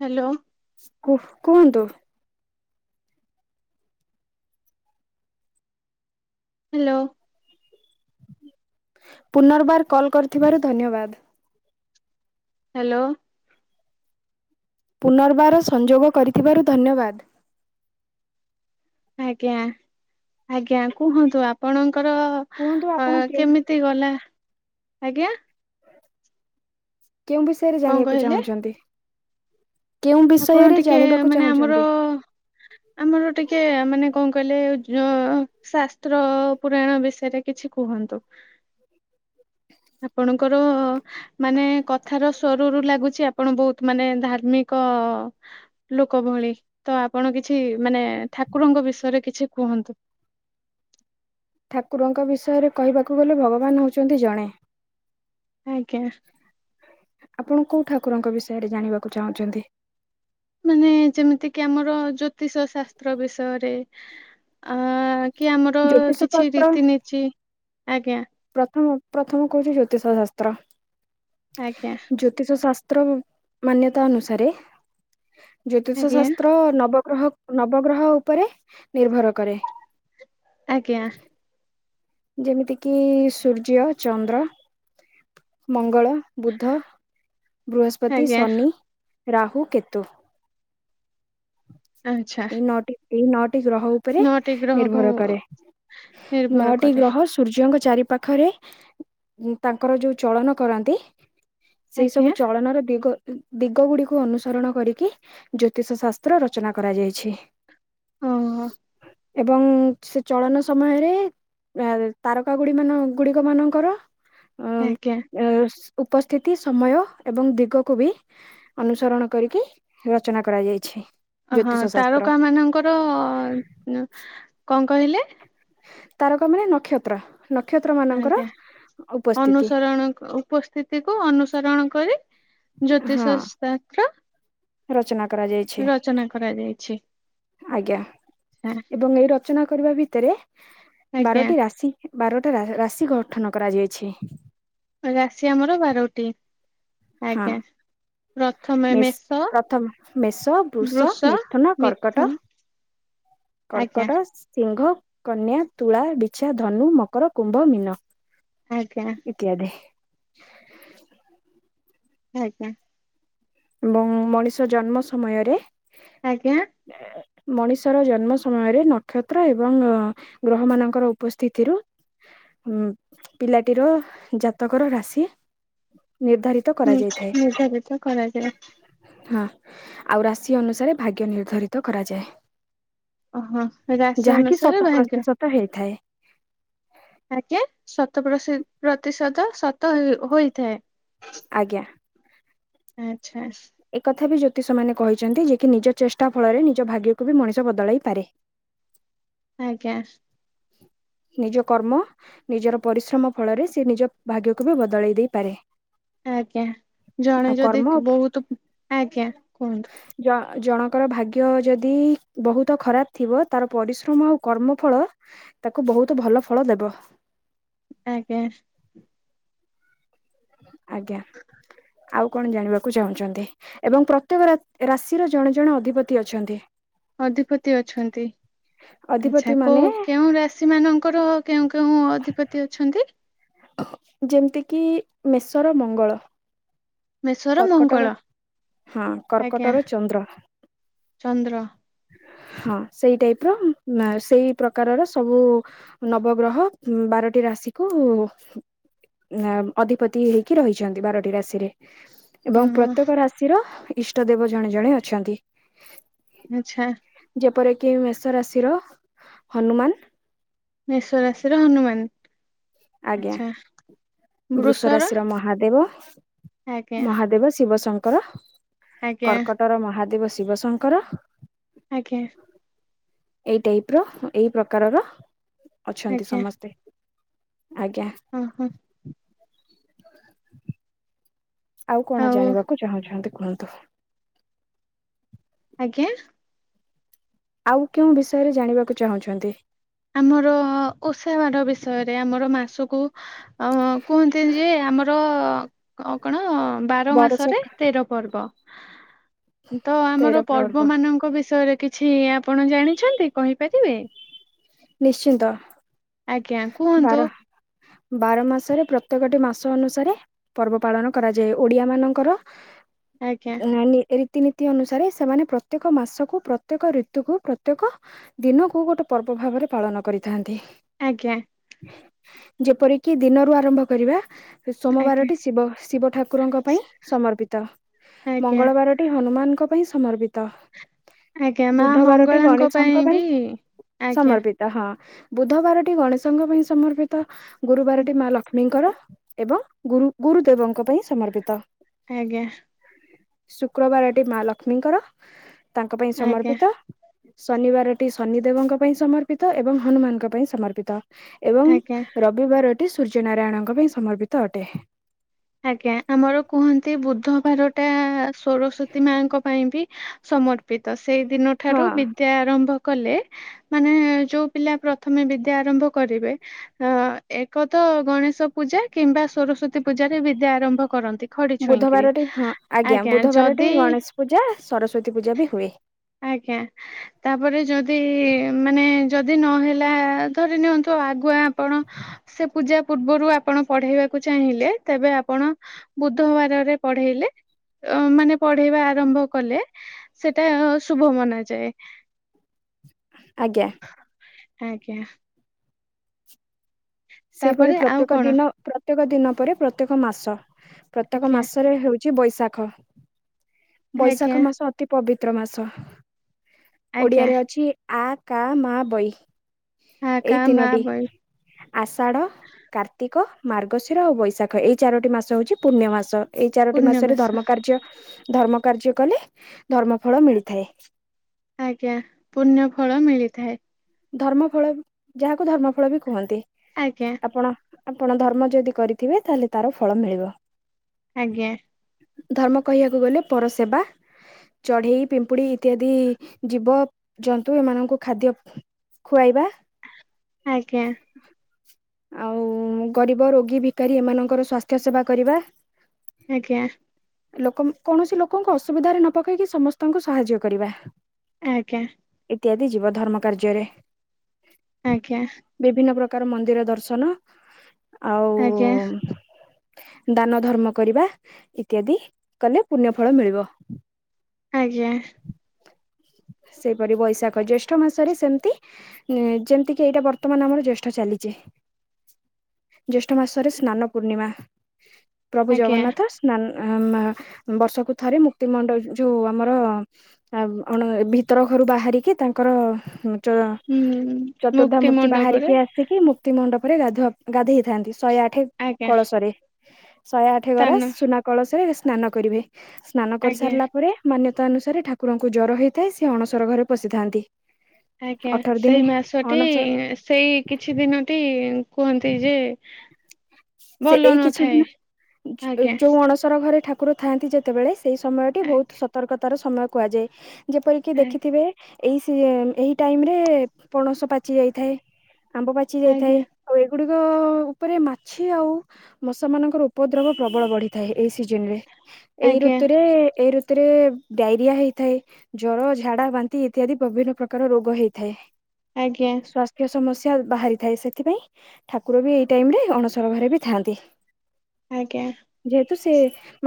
Hello. କୁ କୁହନ୍ତୁ। Hello. ପୁନର୍ବାର କଲ୍ କରିଥିବାରୁ ଧନ୍ୟବାଦ। ହ୍ୟାଲୋ। ପୁନର୍ବାର ସଂଯୋଗ କରିଥିବାରୁ ଧନ୍ୟବାଦ। ଆଜ୍ଞା ଆଜ୍ଞା କୁହନ୍ତୁ ଆପଣଙ୍କର କୁହନ୍ତୁ ଆପଣ କେଉଁ ଏ ଗଲା ଆଜ୍ଞା। କେଉଁ ବିଷୟରେ କଣ ଜାଣିବାକୁ କହିଲେ ଚାହୁଁଛନ୍ତି? କେଉଁ ଆପଣ ବିଷୟରେ ଟିକେ ଜାଣିବାକୁ ମାନେ ଆମର ଚାହୁଁଛନ୍ତି? ଆମର ଟିକେ ମାନେ କଣ କହିଲେ ଯୋ ଶାସ୍ତ୍ର ପୁରାଣ ବିଷୟରେ କିଛି କୁହନ୍ତୁ। [inaudible] ଆପଣଙ୍କର ମାନେ କଥାର ସ୍ଵରରୁ ଲାଗୁଛି ଆପଣ ବହୁତ ମାନେ ଧାର୍ମିକ ଲୋକ ଭଳି ତ ଆପଣ କିଛି ମାନେ ଠାକୁରଙ୍କ ବିଷୟରେ କିଛି କୁହନ୍ତୁ। ଠାକୁରଙ୍କ ବିଷୟରେ କହିବାକୁ ଗଲେ ଭଗବାନ ହେଉଛନ୍ତି ଜଣେ। ଆଜ୍ଞା। ଆପଣ କୋଉ ଠାକୁରଙ୍କ ବିଷୟରେ ଜାଣିବାକୁ ଚାହୁଁଛନ୍ତି। ମାନେ ଯେମିତିକି ଆମର ଜ୍ୟୋତିଷ ଶାସ୍ତ୍ର ବିଷୟରେ ଆ କି ଆମର ଜ୍ୟୋତିଷ କିଛି ଶାସ୍ତ୍ର ରୀତି ନେତୀ ଆଜ୍ଞା। ପ୍ରଥମ ପ୍ରଥମ କହୁଛି ଜ୍ୟୋତିଷ ଶାସ୍ତ୍ର। ଆଜ୍ଞା। ଜ୍ୟୋତିଷ ଶାସ୍ତ୍ର ମାନ୍ୟତା ଅନୁସାରେ ଜ୍ୟୋତିଷ ଆଜ୍ଞା ଶାସ୍ତ୍ର ନବ ଗ୍ରହ ନବଗ୍ରହ ଉପରେ ନିର୍ଭର କରେ। ଆଜ୍ଞା। ଯେମିତି କିି ସୂର୍ଯ୍ୟ ଚନ୍ଦ୍ର ମଙ୍ଗଳ ବୁଦ୍ଧ ବୃହସ୍ପତି ଆଜ୍ଞା ଶନି ରାହୁ କେତୁ। ଆଛା। ଏଇ ନଅଟି ଏଇ ନଅଟି ଗ୍ରହ ଉପରେ ଗ୍ରହକୁ ନିର୍ଭର କରେ ନଅ ନିର୍ଭର କରେ ସୂର୍ଯ୍ୟଙ୍କ ଚାରି ପାଖରେ ତାଙ୍କର ଯୋଉ ଚଳନ କରନ୍ତି ସେଇ ଆଜ୍ଞା ସବୁ ଚଳନ ର ଦିଗ ଦିଗ ଗୁଡିକୁ ଅନୁସରଣ କରିକି ଜ୍ୟୋତିଷ ଶାସ୍ତ୍ର ରଚନା କରାଯାଇଛି। ହଁ ହଁ। ଏବଂ ସେ ଚଳନ ସମୟରେ ତାରକା ଗୁଡି ମାନ ଗୁଡିକ ମାନଙ୍କର ଅ ଆଜ୍ଞା ଆ ଉପସ୍ଥିତି ସମୟ ଏବଂ ଦିଗକୁ ବି ଅନୁସରଣ କରିକି ରଚନା କରାଯାଇଛି। ଅ ହଁ ଜ୍ୟୋତିଷ ଶାସ୍ତ୍ର ତାରକା ମାନଙ୍କର କଣ କହିଲେ? ତାରକା ମାନେ ନକ୍ଷତ୍ର। ନକ୍ଷତ୍ର ମାନେ ଆଜ୍ଞା ଅନୁସରଣ ଉପସ୍ ସ୍ଥିତିକୁୁ ଅନୁସରଣ କରି ହଁ ଜ୍ୟୋତିଷ ସାତ୍ର ରଚନା କରାଯାଇଛି କରାଯାଇଛି ଆଜ୍ଞା ଏବଂ ଏଇ ରଚନା କରିବା ଭିତରେ ଆଜ୍ଞା ବାରଟି ରାଶି ବାରଟା ରାଶି ଗଠନ କରାଯାଇଛି। ରାଶ ଆମର ବାରଟି ଆଜ୍ଞା। ପ୍ରଥମେ ମିସ୍ ମେଷ ପ୍ରଥମ ମେଷ ବୃଷ ମିଥୁନ କର୍କଟ। ଆଜ୍ଞା କର୍କଟ ସିଂହ କନ୍ୟା ତୁଳା ବିଛା ଧନୁ ମକର କୁମ୍ଭ ମୀନ। ଆଜ୍ଞା। ଇତ୍ୟାଦି। [unintelligible] ଆଜ୍ଞା। ଏବଂ ମଣିଷ ଜନ୍ମ ସମୟରେ ଆଜ୍ଞା। ମଣିଷର ଜନ୍ମ ସମୟରେ ନକ୍ଷତ୍ର ଏବଂ ଗ୍ରହ ମାନଙ୍କର ଉପସ୍ଥିତି ରୁ ଉଁ ପିଲାଟିର ଜାତକର ରାଶି ନିର୍ଦ୍ଧାରିତ ହୁଁ କରାଯାଇଥାଏ। ନିର୍ଦ୍ଧାରିତ କରାଯାଏ। ହଁ ଆଉ ରାଶି ଅନୁସାରେ ଭାଗ୍ୟ ନିର୍ଦ୍ଧାରିତ କରାଯାଏ। ଓହୋ ରାଶି ଯାହାକି ଅନୁସାରେ ଶତ ଭାଗ୍ୟ ପ୍ରତିଶତ ହେଇଥାଏ। ଆଜ୍ଞା ଶତ ପ୍ରଶି ପ୍ରତିଶତ ଶତ ହୁଇ ହୋଇଥାଏ। ଆଜ୍ଞା। ଆଚ୍ଛା। ଏକଥା ବି ଜ୍ୟୋତିଷ ମାନେ କହିଛନ୍ତି ଯେ କି ନିଜ ଚେଷ୍ଟା ଫଳରେ ନିଜ ଭାଗ୍ୟକୁ ବି ମଣିଷ ବଦଳାଇ ପାରେ। ଆଜ୍ଞା। ନିଜ କର୍ମ ନିଜର ପରିଶ୍ରମ ଫଳରେ ସେ ନିଜ ଭାଗ୍ୟକୁ ବି ବଦଳେଇ ଦେଇପାରେ। ଆଜ୍ଞା ଜଣେ ଆଉ ଯଦି କର୍ମ ବହୁତ ଆଜ୍ଞା କୁହନ୍ତୁ। ଜ ଜଣଙ୍କର ଭାଗ୍ୟ ଯଦି ବହୁତ ଖରାପ ଥିବ ତାର ପରିଶ୍ରମ ଆଉ କର୍ମଫଳ ତାକୁ ବହୁତ ଭଲ ଫଳ ଦେବ। ଆଜ୍ଞା। ଆଜ୍ଞା। ଆଉ କଣ ଜାଣିବାକୁ ଚାହୁଁଛନ୍ତି ଏବଂ ପ୍ରତ୍ୟେକ ରାଶିର ଜଣେ ଜଣେ ଅଧିପତି ଅଛନ୍ତି। ଅଧିପତି ଅଛନ୍ତି ଅଧିପତି ଆଛା କୋଉ ମାନେ କେଉଁ ରାଷି ସେମାନଙ୍କର କେଉଁ କେଉଁ ଅଧିପତି ଅଛନ୍ତି? ଯେମିତିକି ମେଷର ମଙ୍ଗଳ। ମେଷର ମଙ୍ଗଳ କର୍କଟର ହଁ ଆଜ୍ଞା କର୍କଟର ଚନ୍ଦ୍ର। ଚନ୍ଦ୍ର ହଁ ସେଇ ଟାଇପ ର ସେଇ ପ୍ରକାରର ସବୁ ନବଗ୍ରହ ବାରଟି ରାଶିକୁୁ ଅଧିପତି ହେଇକି ରହିଚନ୍ତି ବାରଟି ରାଶିରେ। ଅ ଏବଂ ପ୍ରତ୍ୟେକ ରାଶିର ଇଷ୍ଟ ଦେବ ଜଣେ ଜଣେ ଅଛନ୍ତି। ଆଚ୍ଛା। ଯେପରିକି ମେଷ ରାଶିର ହନୁମାନ। ମେଶ ରାଶିର ହନୁମାନ ଆଜ୍ଞା ଆଚ୍ଛା। ବୃଷ ବୃଷର ରାଶିର ମହାଦେବ ଆଜ୍ଞା ମହାଦେବ ଶିବ ଶଙ୍କର। ଆଜ୍ଞା କର୍କଟର ମହାଦେବ ଶିବ ଶଙ୍କର। ଆଜ୍ଞା। ଏଇ ଟାଇପ ର ଏଇ ପ୍ରକାରର ଅଛନ୍ତି ସମସ୍ତେ ଆଜ୍ଞା। ଅଁହଁ। ଆଉ କଣ ଜାଣିବାକୁ ଚାହୁଁଛନ୍ତି କୁହନ୍ତୁ? ଆଜ୍ଞା। ଆଉ କେଉଁ ବିଷୟରେ ଜାଣିବାକୁ ଚାହୁଁଛନ୍ତି? ଆମର ଓଷା ବାର ବିଷୟରେ ଆମର ମାସକୁ ଅଁ କୁହନ୍ତି ଯେ ଆମର କଣ ବାର ମାସରେ ବରଷକ ତେର ପର୍ବ ତ ଆମର ପର୍ବ ମାନଙ୍କ ବିଷୟରେ କି ଛି ଆପଣ ଜାଣିଛନ୍ତି କହିପାରିବେ? ନିଶ୍ଚିନ୍ତ। ଆଜ୍ଞା କୁହନ୍ତୁ। ବାର ବାର ମାସରେ ପ୍ରତ୍ୟେକଟି ମାସ ଅନୁସାରେ ପର୍ବ ପାଳନ କରାଯାଏ। ଓଡିଆ ମାନଙ୍କର ଆଜ୍ଞା ଏହା ନି ରୀତି ନି ତୀ ଅନୁସାରେ ସେମାନେ ପ୍ରତ୍ୟେକ ମାସକୁ ପ୍ରତ୍ୟେକ ଋତୁକୁ ପ୍ରତ୍ୟେକ ଦିନକୁ ଗୋଟେ ପର୍ବ ଭାବରେ ପାଳନ କରିଥାନ୍ତି। ଆଜ୍ଞା। ଯେପରିକି ଦିନରୁ ଆରମ୍ଭ କରିବା। ଆଜ୍ଞା ସୋମବାରଟି ଶିବ ଶିବ ଠାକୁରଙ୍କ ପାଇଁ ସମର୍ପିତ। ଆଜ୍ଞା ମଙ୍ଗଳବାର ଟି ହନୁମାନଙ୍କ ପାଇଁ ସମର୍ପିତ। ଆଜ୍ଞା ମା ବୁଧବାରଟି ମଙ୍ଗଳାଙ୍କ ଗଣେଶଙ୍କ ପାଇଁ ବି ଆଜ୍ଞା ସମର୍ପି ଏ ହଁ ବୁଧବାରଟି ଗଣେଶଙ୍କ ପାଇଁ ସମର୍ପିତ ଗୁରୁବାରଟି ମା ଲକ୍ଷ୍ମୀଙ୍କର ଏବଂ ଗୁରୁ ଗୁରୁ ଦେବଙ୍କ ପାଇଁ ସମର୍ପିତ। ଆଜ୍ଞା। ଶୁକ୍ରବାରଟି ମା ଲକ୍ଷ୍ମୀଙ୍କର ତାଙ୍କ ପାଇଁ ଆଜ୍ଞା ସମର୍ପିତ। ଶନିବାରଟି ଶନି ଦେବଙ୍କ ପାଇଁ ସମର୍ପିତ ଏବଂ ହନୁମାନଙ୍କ ପାଇଁ ସମର୍ପିତ। ଏବଂ ଆଜ୍ଞା ରବିବାରଟି ସୂର୍ଯ୍ୟ ନାରାୟଣଙ୍କ ପାଇଁ ସମର୍ପିତ ଅଟେ। ଆଜ୍ଞା ଆମର କୁହନ୍ତି ବୁଧବାରଟା ସରସ୍ଵତୀ ମାଙ୍କ ପାଇଁ ବି ସମର୍ପିତ ସେଇ ଦିନ ହଁ। ଠାରୁ ବି ଦ୍ୟା ଆରମ୍ଭ କଲେ ମାନେ ଯୋଉ ପିଲା ପ୍ରଥମେ ବିଦ୍ୟା ଆରମ୍ଭ କରିବେ ଅଁ ଏକ ତ ଗଣେଶ ପୂଜା କିମ୍ବା ସରସ୍ଵତୀ ପୂଜାରେ ବିଦ୍ୟା ଆରମ୍ଭ କରନ୍ତି। ଖଡି ଛୁଇଁକିରି ବୁଧବାରଟି ହଁ ଆଜ୍ଞା ବୁଧବାରଟି ଗଣେଶ ପୂଜା ସରସ୍ଵତୀ ପୂଜା ବି ହୁଏ। ଆଜ୍ଞା। ତାପରେ ଯଦି ମାନେ ଯଦି ନହେଲା ଧରି ନିଅନ୍ତୁ ଆଗୁଆ ଆପଣ ସେ ପୂଜା ପୂର୍ବରୁ ଆପଣ ପଢେଇବାକୁ ଚାହିଁଲେ ତେବେ ଆପଣ ବୁଧବାରରେ ପଢେଇଲେ ଅ ମାନେ ପଢେଇବା ଆରମ୍ଭ କଲେ ସେଟା ଶୁଭ ମନାଯାଏ। ଆଜ୍ଞା। ଆଜ୍ଞା। ସେହିପରି ତାପରେ ଆଉ ପ୍ରତ୍ୟେକ କଣ ଦିନ ପ୍ରତ୍ୟେକ ଦିନ ପରେ ପ୍ରତ୍ୟେକ ମାସ ପ୍ରତ୍ୟେକ ଆଜ୍ଞା ମାସରେ ହେଉ ଚି ବୈଶାଖ ଆଜ୍ଞା ବୈଶାଖ ମାସ ଅତି ପବିତ୍ର ମାସ। ଆଜ୍ଞା ଓଡିଆରେ ଅଛି ଆ, କା, ମା, ବୈ ଆ, କା, ମା, ବୈ। ଆଷାଢ଼, କାର୍ତ୍ତିକ, ମାର୍ଗଶିର, ଆଉ ବୈଶାଖ ଏଇ ଚାରୋଟି ମାସ ହୋଉଚି ପୂନ୍ୟମାସ। ଏଇ ଚାରୋଟି ପୂର୍ଣ୍ୟ ମାସରେ ମାସ ଧର୍ମ କାର୍ଯ୍ୟ ଧର୍ମ କାର୍ଯ୍ୟ କଲେ ଧର୍ମ ଫଳ ମିଳିଥାଏ। ଆଜ୍ଞା ପୂନ୍ୟ ଫଳ ମିଳିଥାଏ। ଧର୍ମ ଫଳ ଯାହାକୁ ଧର୍ମ ଫଳ ବି କୁହନ୍ତି। ଆଜ୍ଞା। ଆପଣ ଆପଣ ଧର୍ମ ଯଦି କରିଥିବେ ତାହେଲେ ତାର ଫଳ ମିଳିବ। ଆଜ୍ଞା। ଧର୍ମ କହିବାକୁ ଗଲେ ପର ସେବା ଚଢେଇ, ପିମ୍ପୁଡି ଇତ୍ୟାଦି ଜୀବ ଜନ୍ତୁ ଏମାନଙ୍କୁ ଖାଦ୍ୟ ଖୁଆଇବା। ଆଜ୍ଞା। ଆଉ ଗରିବ ରୋଗୀ ଭିକାରୀ ଏମାନଙ୍କର ସ୍ୱାସ୍ଥ୍ୟ ସେବା କରିବା। ଆଜ୍ଞା। ଲୋକମ୍ କୌଣସି ଲୋକଙ୍କୁ ଅସୁବିଧାରେ ନ ପକେଇକି ସମସ୍ତଙ୍କୁ ସହାଯ୍ୟ କରିବା। ଆଜ୍ଞା। ଇତ୍ୟାଦି ଯିବ ଧର୍ମ କାର୍ଯ୍ୟରେ। ଆଜ୍ଞା। ବିଭିନ୍ନ ପ୍ରକାର ମନ୍ଦିର ଦର୍ଶନ ଆଜ୍ଞା ଆଉ ଦାନ ଧର୍ମ କରିବା ଇତ୍ୟାଦି କଲେ ପୁନ୍ୟ ଫଳ ମିଳିବ। ଆଜ୍ଞା। ସେଇପରି ବୈଶାଖ, ଜ୍ୟେଷ୍ଠ ମାସରେ ସେମତି ଏ ଯେମତି କିି ଏଇଟା ବର୍ତ୍ତମାନ ଆମର ଜ୍ୟେଷ୍ଠ ଚାଲିଚି। ଜ୍ୟେଷ୍ଠ ମାସରେ ସ୍ନାନ ପୂର୍ଣ୍ଣିମା, ପ୍ରଭୁ ଆଜ୍ଞା ଜଗନ୍ନାଥ ସ୍ ସାନ୍ ଆ ମା ବର୍ଷକୁ ଥରେ ମୁକ୍ତିମଣ୍ଡ ଯୋଉ ଆମର ଆଉ ଅଣ ଭିତର ଘରୁ ବାହାରିକି ତାଙ୍କର ହୁଁ ଚ ହୁଁ ଚତୁର୍ଦ୍ଧା ମୁକ୍ତି ମୂର୍ତ୍ତି ମଣ୍ଡପରେ ବାହାରିକି ଆସିକି ମୁକ୍ତ ମଣ୍ଡପରେ ଗାଧୁଆ ଗାଧେଇଥାନ୍ତି। ଶହେ ଆଠେ ଆଜ୍ଞା କଳସରେ ଶହେ ଆଠେ ଗରା ସ୍ଥାନ ସୁନା କଳସରେ ସ୍ନାନ କରିବେ। ସ୍ନାନ ଆଜ୍ଞା କରିସାରିଲା ପରେ ମାନ୍ୟତା ଅନୁସାରେ ଠାକୁରଙ୍କୁ ଜ୍ଵର ହେଇଥାଏ, ସେ ଅଣସର ଘରେ ପଶିଥାନ୍ତି। ଆଜ୍ଞା। ଅଠର ଦିନ ସେଇ ମାସଟି, ଅଣସର ସେଇ କିଛି ଦିନଟି କୁହନ୍ତି ଯେ ସେ ଭଲ ଏଇ କିଛି ନଥାଏ ଦିନ ଯୋ ଆଜ୍ଞା ଯୋଉ ଅଣସର ଘରେ ଠାକୁର ଥାଆନ୍ତି ଯେତେବେଳେ ସେଇ ସମୟଟି ବହୁତ ସତର୍କତାର ସମୟ କୁହାଯାଏ। ଯେପରିକି ଆଜ୍ଞା ଦେଖିଥିବେ ଏଇ ସି ଏହି ଟାଇମ୍ ରେ ପଣସ ପାଚି ଯାଇଥାଏ। ଆମ୍ବ ପାଚି ଯାଇଥାଏ। ଆଜ୍ଞା ଆଉ ଏଗୁଡିକ ଉପରେ ମାଛି ଆଉ ମଶା ମାନଙ୍କର ଉପଦ୍ରବ ପ୍ରବଳ ବଢିଥାଏ ଏଇ ସିଜନ୍ ରେ। ଏଇ ଆଜ୍ଞା ଋତୁରେ ଏଇ ଋତୁରେ ଡାଇରିଆ ହେଇଥାଏ। ଜର, ଝାଡା, ବାନ୍ତି ଇତ୍ୟାଦି ବିଭିନ୍ନ ପ୍ରକାର ରୋଗ ହେଇଥାଏ। ଆଜ୍ଞା। ସ୍ୱାସ୍ଥ୍ୟ ସମସ୍ୟା ବାହାରିଥାଏ। ସେଥିପାଇଁ, ଠାକୁର ବି ଏଇ ଟାଇମ୍ ରେ ଅଣସ ସର ଘରେ ବି ଥାଆନ୍ତି। ଆଜ୍ଞା। ଯେହେତୁ ସେ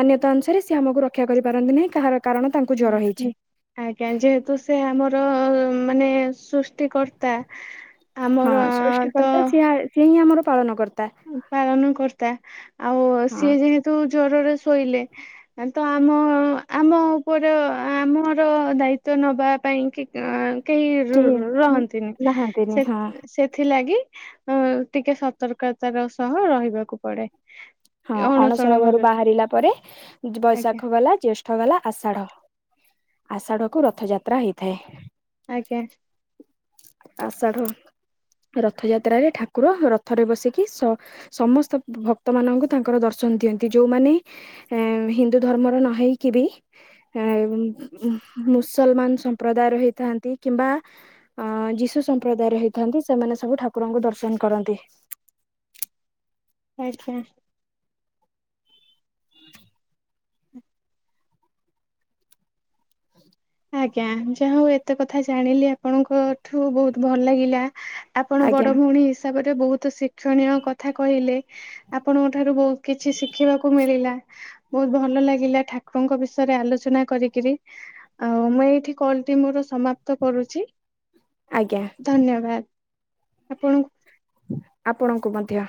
ମାନ୍ୟତା ଅନୁସାରେ ସିଏ ଆମକୁ ରକ୍ଷା କରିପାରନ୍ତି ନାହିଁ। କାହାର କାରଣ ତାଙ୍କୁ ଜର ହେଇଛି। ଆଜ୍ଞା। ଯେହେତୁ ସେ ଆମର ମାନେ ସୁସ୍ ସୃଷ୍ଟି କର୍ତା ହଁ ଆମର ତ ସୃଷ୍ଟିକର୍ତ୍ତା ସିଏ ସିଏ ହିଁ ଆମର ପାଳନ କର୍ ପାଳନ କର୍ତ୍ତା, ଆଉ ହଁ ସିଏ ଯେହେତୁ ଜ୍ଵରରେ ଶୋଇଲେ ତ ଆମ ଆମ ଉପର ଆମର ଦାୟିତ୍ବ ନବା ପାଇଁ କି କେହି ରୁ ରୁ ହୁଁ ରହନ୍ତିନ। ନାହାନ୍ତିନି ସେ ହଁ ସେଥିଲାଗି ଟିକେ ସତର୍କତାର ସହ ରହିବାକୁ ପଡେ। ହଁ। ଅଣସର ଅଣସଣ ଘରୁ ଘରେ ବାହାରିଲା ପରେ, ଆଜ୍ଞା ବୈଶାଖ ଗଲା ଜ୍ୟେ ଷ୍ଠ ଗଲା ଆଷାଢ, ଆଷାଢ କୁ ରଥଯାତ୍ରା ହେଇଥାଏ। ଆଜ୍ଞା। ଆଷାଢ, ରଥଯାତ୍ରାରେ ଠାକୁର ରଥରେ ବସିକି ସ ସମସ୍ତ ଭକ୍ତ ମାନଙ୍କୁ ତାଙ୍କର ଦର୍ଶନ ଦିଅନ୍ତି। ଯୋଉମାନେ ଏ ହିନ୍ଦୁ ଧର୍ମର ନହେଇକି ବି ମୁସଲମାନ ସମ୍ପ୍ରଦାୟ ର ହେଇଥାନ୍ତି, କିମ୍ବା ଅ ଯିଶୁ ସମ୍ପ୍ରଦାୟର ହେଇଥାନ୍ତି ସେମାନେ ସବୁ ଠାକୁରଙ୍କୁ ଦର୍ଶନ କରନ୍ତି। ଆଚ୍ଛା। ଆଜ୍ଞା। ହ [inaudible] ଆଜ୍ଞା। ଯାହା ହଉ ଏତେ କଥା ଜାଣିଲି ଆପଣଙ୍କଠୁ ବହୁତ୍ ଭଲ ଲାଗିଲା। ଆପଣ ଆଜ୍ଞା ବଡ ଭଉଣୀ ହିସାବରେ ବହୁତ ଶିକ୍ଷଣୀୟ କଥା କହିଲେ। ଆପଣଙ୍କ ଠାରୁ ବହୁତ କିଛି ଶିଖିବାକୁ ମିଳିଲା। ବହୁତ୍ ଭଲ ଲାଗିଲା ଠାକୁରଙ୍କ ବିଷୟରେ ଆଲୋଚନା କରିକିରି। ଆଉ ମୁଁ ଏଇଠି କଲ୍ ଟି ମୋର ସମାପ୍ତ କରୁଚି। ଆଜ୍ଞା। ଧନ୍ୟବାଦ। ଆପଣଙ୍କୁ ଆପଣଙ୍କୁ ମଧ୍ୟ।